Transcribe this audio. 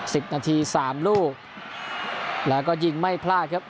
สิบนาทีสามลูกแล้วก็ยิงไม่พลาดครับ